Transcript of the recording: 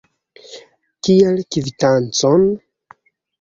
Kial kvitancon?